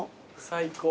最高。